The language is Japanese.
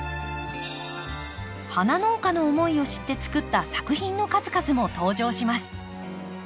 花農家の思いを知ってつくった作品の数々も登場します。